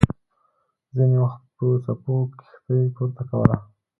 ځینې وخت به څپو کښتۍ پورته کوله.